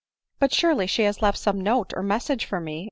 " But, surely she has left some note or message for me